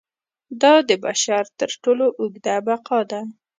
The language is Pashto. دا د بشر تر ټولو اوږده بقا ده.